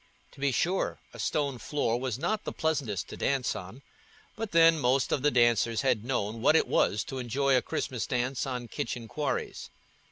To be sure, a stone floor was not the pleasantest to dance on, but then, most of the dancers had known what it was to enjoy a Christmas dance on kitchen quarries.